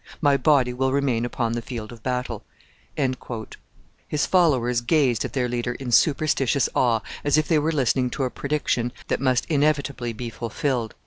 My body will remain upon the field of battle.' His followers gazed at their leader in superstitious awe, as if they were listening to a prediction that must inevitably be fulfilled.